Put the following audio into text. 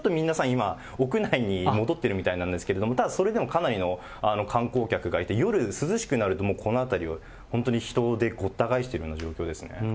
今、屋内に戻ってるみたいなんですけど、ただそれでもかなりの観光客がいて、夜涼しくなると、もうこの辺りは本当に人でごった返しているような状況ですね。